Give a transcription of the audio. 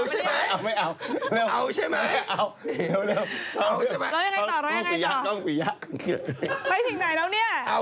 เห็นมั้ยล่ะ